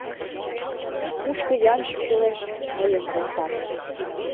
Кушко ямщик кӱлеш — мыйым колтат.